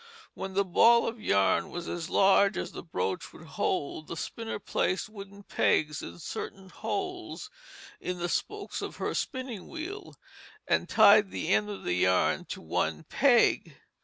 When the ball of yarn was as large as the broach would hold, the spinner placed wooden pegs in certain holes in the spokes of her spinning wheel and tied the end of the yarn to one peg.